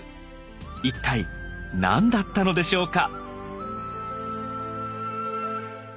一体何だったのでしょうか？